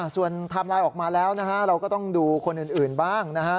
ส่วนไทม์ไลน์ออกมาแล้วนะฮะเราก็ต้องดูคนอื่นบ้างนะฮะ